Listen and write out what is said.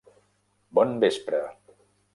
Bon vespre